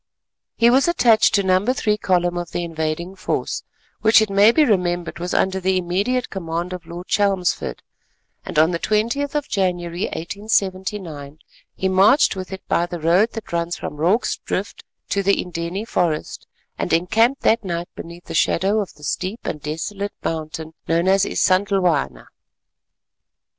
He was attached to No. 3 column of the invading force, which it may be remembered was under the immediate command of Lord Chelmsford, and on the 20th of January, 1879, he marched with it by the road that runs from Rorke's Drift to the Indeni forest, and encamped that night beneath the shadow of the steep and desolate mountain known as Isandhlwana.